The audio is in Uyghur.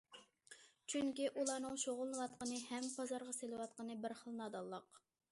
چۈنكى ئۇلارنىڭ شۇغۇللىنىۋاتقىنى ھەم بازارغا سېلىۋاتقىنى بىر خىل نادانلىق.